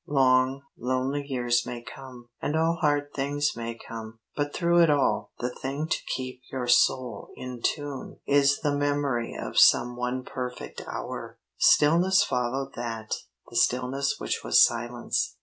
Long, lonely years may come, and all hard things may come, but through it all the thing to keep your soul in tune is the memory of some one perfect hour." Stillness followed that, the stillness which was silence.